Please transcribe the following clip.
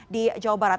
di jawa barat